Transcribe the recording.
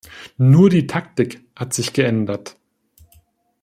Nur die Taktik hat sich geändert.